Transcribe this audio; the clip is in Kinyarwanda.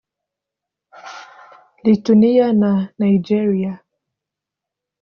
Lithuania na Nigeria